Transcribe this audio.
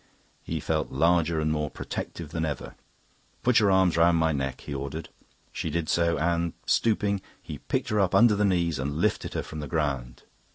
He felt larger and more protective than ever. "Put your arms round my neck," he ordered. She did so and, stooping, he picked her up under the knees and lifted her from the ground.